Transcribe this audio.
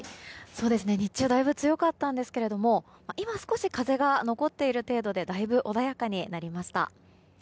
日中はだいぶ強かったんですけども今、少し風が残っている程度でだいぶ穏やかになりました。